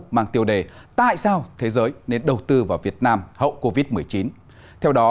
mang tiêu đề tại sao thế giới nên đầu tư vào việt nam hậu covid một mươi chín